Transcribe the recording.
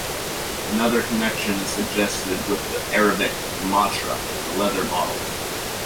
Another connection is suggested with the Arabic "matra", a leather bottle.